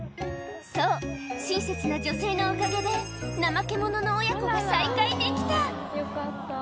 そう、親切な女性のおかげで、ナマケモノの親子が再会できた。